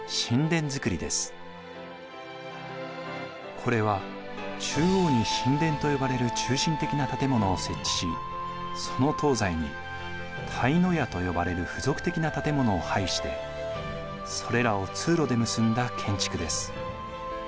これは中央に寝殿と呼ばれる中心的な建物を設置しその東西に対屋と呼ばれる付属的な建物を配してそれらを通路で結んだ建築です。